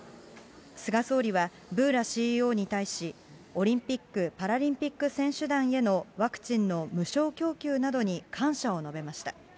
菅総理は、ブーラＣＥＯに対し、オリンピック・パラリンピック選手団へのワクチンの無償供給などに感謝を述べました。